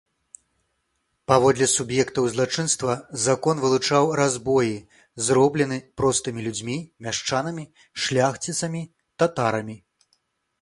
Паводле суб'ектаў злачынства закон вылучаў разбоі, зроблены простымі людзьмі, мяшчанамі, шляхціцамі, татарамі.